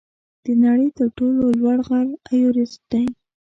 د نړۍ تر ټولو لوړ غر ایورسټ دی.